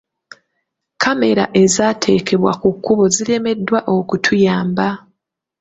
Kkamera ezaateekebwa ku kkubo ziremeddwa okutuyamba.